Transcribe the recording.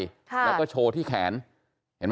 ค่ะแล้วก็โชว์ที่แขนเห็นไหม